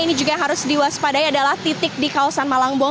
ini juga harus diwaspadai adalah titik di kawasan malangbong